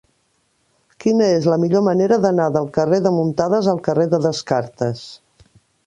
Quina és la millor manera d'anar del carrer de Muntadas al carrer de Descartes?